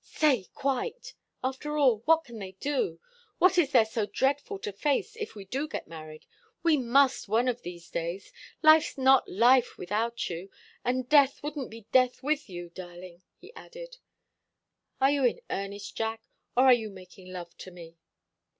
"Say, quite! After all, what can they all do? What is there so dreadful to face, if we do get married? We must, one of these days. Life's not life without you and death wouldn't be death with you, darling," he added. "Are you in earnest, Jack, or are you making love to me?"